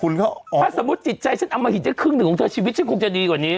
ถ้าสมมุติจิตใจฉันอมหิตได้ครึ่งหนึ่งของเธอชีวิตฉันคงจะดีกว่านี้